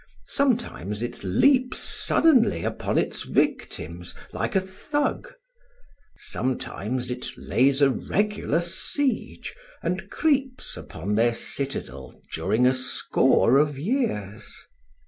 Sometimes it leaps suddenly upon its victims, like a Thug; sometimes it lays a regular siege and creeps upon their citadel during a score of years.